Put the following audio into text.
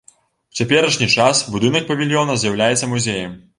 У цяперашні час будынак павільёна з'яўляецца музеем.